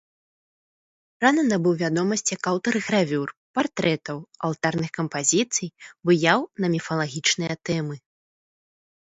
Рана набыў вядомасць як аўтар гравюр, партрэтаў, алтарных кампазіцый, выяў на міфалагічныя тэмы.